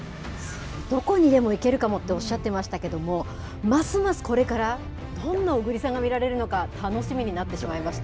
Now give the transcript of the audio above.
どこにでも行けるかもっておっしゃってましたけども、ますますこれから、どんな小栗さんが見られるのか、楽しみになってしまいました。